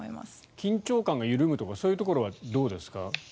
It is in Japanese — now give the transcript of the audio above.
緊張感が緩むとかそういうところはどうですか？